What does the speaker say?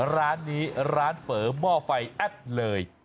ร้านนี้ร้านเฝอหม้อไฟแอปเลย